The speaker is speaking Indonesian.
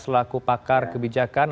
selaku pakar kebijakan